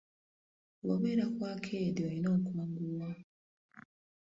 Bw'obeera ku akeedi oyina okwanguwa.